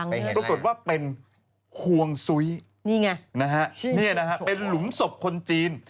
ปรากฏว่าเป็นฮวงซุ้ยเป็นหลุมศพคนจีน